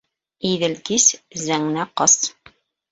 Иҙел кис. зәңнә ҡас!